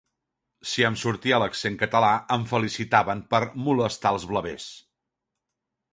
Si em sortia l'accent català em felicitaven per "molestar els blavers".